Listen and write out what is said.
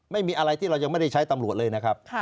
ไม่มีอะไรที่เรายังไม่ได้ใช้ตำรวจเลยนะครับ